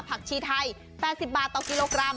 ชีไทย๘๐บาทต่อกิโลกรัม